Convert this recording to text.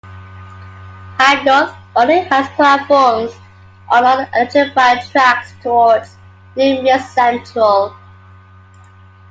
Hyde North only has platforms on the non-electrified tracks towards New Mills Central.